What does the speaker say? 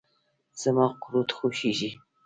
زما قورت خوشیزی.